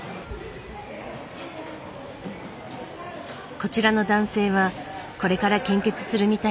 こちらの男性はこれから献血するみたいだけど。